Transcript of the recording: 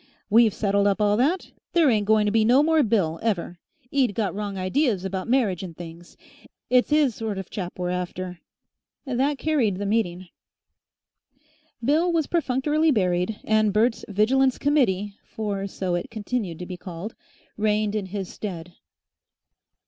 We've settled up all that. There ain't going to be no more Bill, ever. 'E'd got wrong ideas about marriage and things. It's 'is sort of chap we're after." That carried the meeting. Bill was perfunctorily buried, and Bert's Vigilance Committee (for so it continued to be called) reigned in his stead.